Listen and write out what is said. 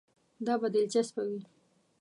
دا به دلچسپه وي.